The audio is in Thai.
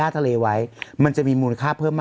ได้ดูคลิปป่ะ